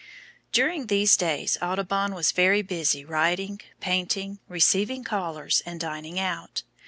During these days Audubon was very busy writing, painting, receiving callers, and dining out.